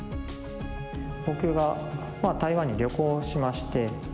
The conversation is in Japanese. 僕が台湾に旅行しまして。